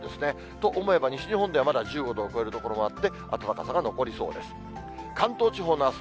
と思えば、西日本ではまだ１５度を超える所もあって、暖かさが残りそうです。